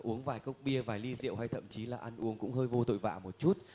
uống vài cốc bia vài ly rượu hay thậm chí là ăn uống cũng hơi vô tội vạ một chút